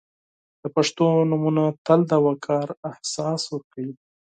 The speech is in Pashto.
• د پښتو نومونه تل د وقار احساس ورکوي.